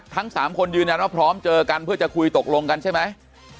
ทั้ง๓คนยืนยันว่าพร้อมเจอกันเพื่อจะคุยตกลงกันใช่ไหม